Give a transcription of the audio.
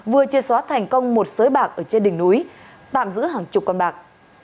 vừa chia xóa thành công một sới bạc ở trên đỉnh núi tạm giữ hàng chục con bạc